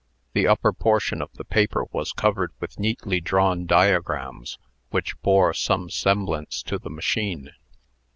The upper portion of the paper was covered with neatly drawn diagrams, which bore some semblance to the machine.